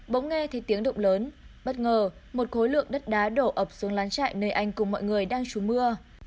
bỗng nghe thấy tiếng động lớn bất ngờ một khối lượng đất đá đổ ập xuống lán chạy nơi anh cùng mọi người đang trú mưa